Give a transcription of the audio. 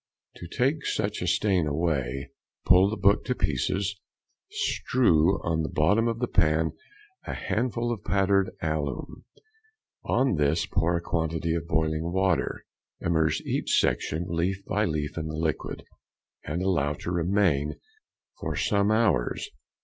To take such a stain away, pull the book to pieces, strew on the bottom of the pan a handful of powdered alum, on this pour a quantity of boiling water. Immerse each section leaf by leaf in the liquid, and allow to remain for some hours.